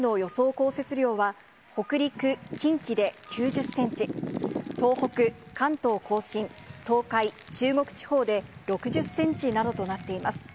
降雪量は、北陸、近畿で９０センチ、東北、関東甲信、東海、中国地方で６０センチなどとなっています。